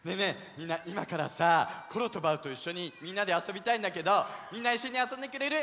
みんないまからさコロとバウといっしょにみんなであそびたいんだけどみんないっしょにあそんでくれる？